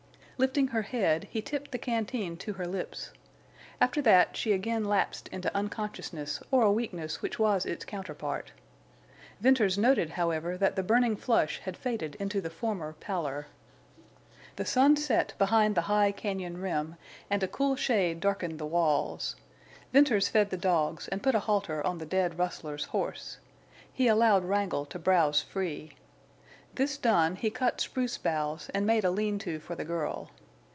Lifting her head, he tipped the canteen to her lips. After that she again lapsed into unconsciousness or a weakness which was its counterpart. Venters noted, however, that the burning flush had faded into the former pallor. The sun set behind the high cañon rim, and a cool shade darkened the walls. Venters fed the dogs and put a halter on the dead rustlers horse. He allowed Wrangle to browse free. This done, he cut spruce boughs and made a lean to for the girl.